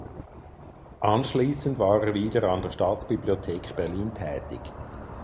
Anschließend war er wieder an der Staatsbibliothek Berlin tätig.